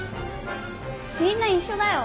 みんな一緒だよ。